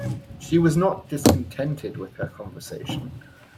She was not discontented with her conversation.